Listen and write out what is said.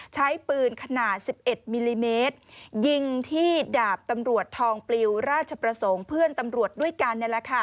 ใช้ปืนขนาด๑๑มิลลิเมตรยิงที่ดาบตำรวจทองปลิวราชประสงค์เพื่อนตำรวจด้วยกัน